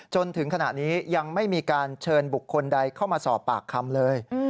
จนถึงขณะนี้ยังไม่มีการเชิญบุคคลใดเข้ามาสอบปากคำเลย